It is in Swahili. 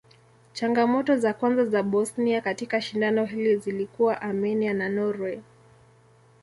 Changamoto za kwanza za Bosnia katika shindano hili zilikuwa Armenia na Norway.